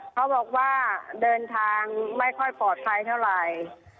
เขาบอกว่าเดินทางไม่ค่อยปลอดภัยเท่าไหร่